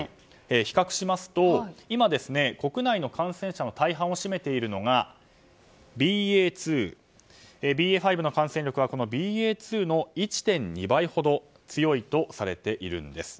比較しますと今、国内の感染者の大半を占めているのがＢＡ．２。ＢＡ．５の感染力はこのＢＡ．２の１．２倍ほど強いとされているんです。